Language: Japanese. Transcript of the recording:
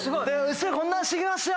こんなんしてきました！